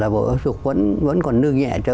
bộ ưu sục vẫn còn nương nhẹ cho